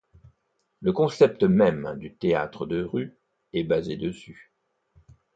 Le concept même du théâtre de rue est basé dessus.